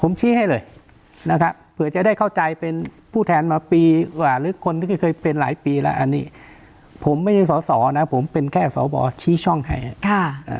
ผมชี้ให้เลยนะครับเผื่อจะได้เข้าใจเป็นผู้แทนมาปีกว่าหรือคนที่ก็เคยเป็นหลายปีแล้วอันนี้ผมไม่ใช่สอสอนะผมเป็นแค่สวชี้ช่องให้ค่ะอ่า